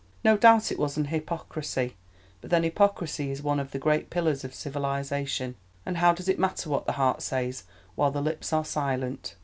No doubt it was an hypocrisy, but then hypocrisy is one of the great pillars of civilization, and how does it matter what the heart says while the lips are silent?